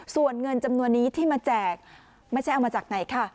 ส่วนเงินจำนวนนี้ที่มาแจกไม่ใช่เอามาจากไหนค่ะ